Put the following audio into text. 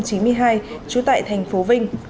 trú tại tp vinh